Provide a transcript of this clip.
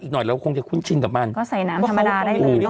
หน่อยเราคงจะคุ้นชินกับมันก็ใส่น้ำธรรมดาได้เลยเนอ